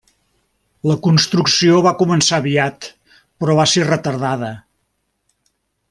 La construcció va començar aviat però va ser retardada.